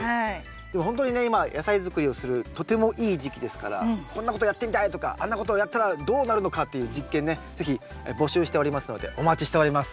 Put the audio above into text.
でもほんとにね今野菜作りをするとてもいい時期ですからこんなことやってみたいとかあんなことをやったらどうなるのかっていう実験ね是非募集しておりますのでお待ちしております。